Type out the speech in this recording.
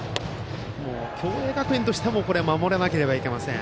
共栄学園としても守らなければいけません。